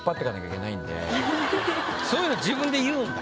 そういうの自分で言うんだ。